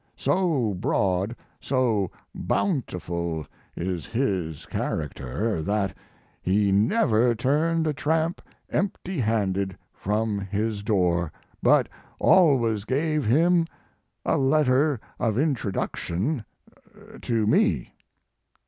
So broad, so bountiful is his character that he never turned a tramp empty handed from his door, but always gave him a letter of introduction to me.